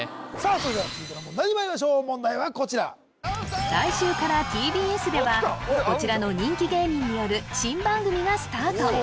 それでは続いての問題にまいりましょう問題はこちら来週からＴＢＳではこちらの人気芸人による新番組がスタート